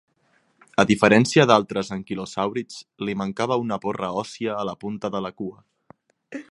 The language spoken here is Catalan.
A diferència d'altres anquilosàurids, li mancava una porra òssia a la punta de la cua.